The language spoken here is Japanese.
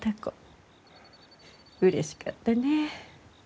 うれしかったねぇ。